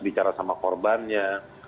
bicara sama korbannya